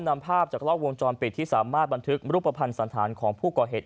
นำภาพจากกล้องวงจรปิดที่สามารถบันทึกรูปภัณฑ์สันธารของผู้ก่อเหตุ